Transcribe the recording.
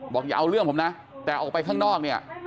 บอกอย่าเอาเรื่องผมนะแต่เอาไปข้างนอก